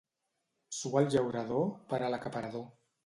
Sua el llaurador per a l'acaparador.